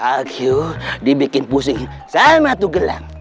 aku dibikin pusing sama tuh gelang